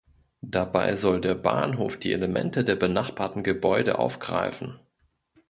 Dabei soll der Bahnhof die Elemente der benachbarten Gebäude aufgreifen.